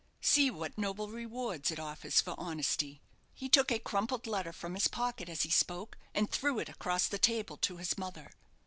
See what noble rewards it offers for honesty." He took a crumpled letter from his pocket as he spoke, and threw it across the table to his mother.